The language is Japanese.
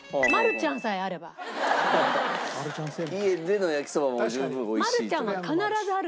家での焼きそばも十分美味しいという。